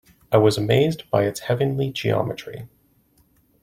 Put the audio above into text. I was amazed by its heavenly geometry.